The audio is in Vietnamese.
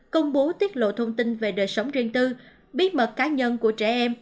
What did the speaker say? công bố tiết lộ thông tin về đời sống riêng tư bí mật cá nhân của trẻ em